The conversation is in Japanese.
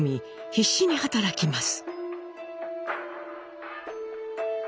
必死に働きます。